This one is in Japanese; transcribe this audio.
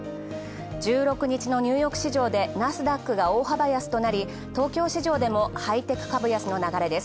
１６日のニューヨーク市場でナスダックが大幅安となり東京市場でもハイテク株安の流れです。